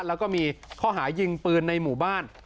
แล้วก็มีข้อหายิงปืนในหมู่บ้าน